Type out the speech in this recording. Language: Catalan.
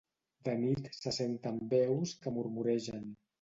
De nit se senten veus que murmuregen.